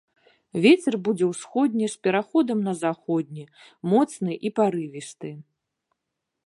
Вецер будзе ўсходні з пераходам на заходні, моцны і парывісты.